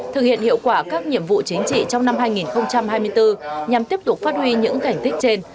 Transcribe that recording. thực hiện hiệu quả các nhiệm vụ chính trị trong năm hai nghìn hai mươi bốn nhằm tiếp tục phát huy những thành tích trên